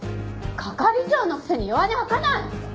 係長のくせに弱音吐かない！